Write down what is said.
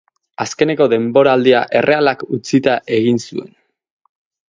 Azkeneko denboraldia Errealak utzita egin zuen.